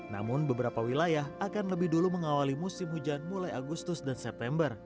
namun beberapa wilayah akan lebih dulu mengawali musim hujan mulai agustus dan september